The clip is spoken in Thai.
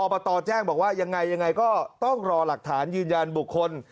ตแจ้งบอกว่ายังไงยังไงก็ต้องรอหลักฐานยืนยันบุคคล